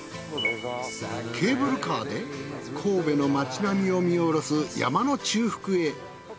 ケーブルカーで神戸の街並みを見下ろす山の中腹へ。